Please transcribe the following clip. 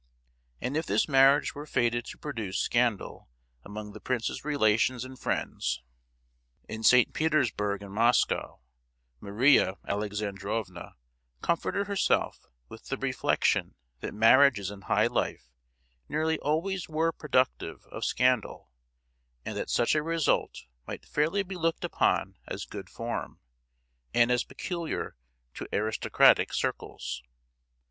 And if this marriage were fated to produce scandal among the prince's relations and friends in St. Petersburg and Moscow, Maria Alexandrovna comforted herself with the reflection that marriages in high life nearly always were productive of scandal; and that such a result might fairly be looked upon as "good form," and as peculiar to aristocratic circles.